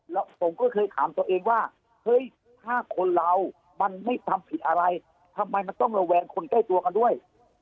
แล้วผมก็เคยถามตัวเองว่าเฮ้ยถ้าคนเรามันไม่ทำผิดอะไรทำไมมันต้องระแวงคนใกล้ตัวกันด้วย